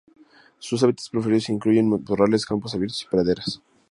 Sus hábitats preferidos incluyen matorrales, campos abiertos y praderas.